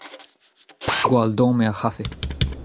gwall domm eo ar c'hafe.